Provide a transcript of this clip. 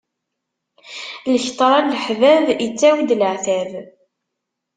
Lketṛa n leḥbab ittawi d laɛtab.